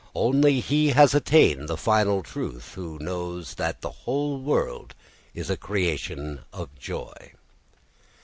Only he has attained the final truth who knows that the whole world is a creation of joy.